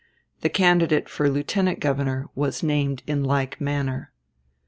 The candidate for lieutenant governor was named in like manner.